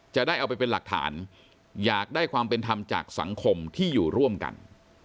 จะได้เอาไปเป็นหลักฐานอยากได้ความเป็นธรรมจากสังคมที่อยู่ร่วมกัน